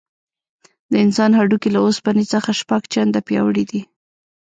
د انسان هډوکي له اوسپنې څخه شپږ چنده پیاوړي دي.